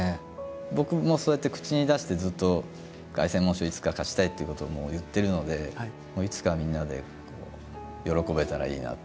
僕もそうやって口に出してずっと凱旋門賞いつか勝ちたいっていうことも言ってるのでいつかみんなで喜べたらいいなって。